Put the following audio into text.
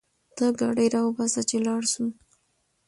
ته ګاډی راوباسه چې لاړ شو